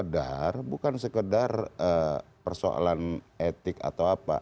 tidak ini bukan sekedar persoalan etik atau apa